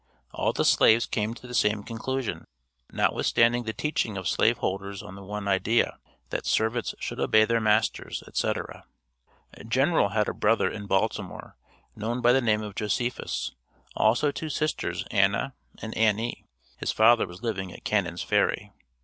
All the slaves came to the same conclusion, notwithstanding the teaching of slave holders on the one idea, that "servants should obey their masters," etc. General had a brother in Baltimore, known by the name of Josephus, also two sisters Anna and Annie; his father was living at Cannon's Ferry.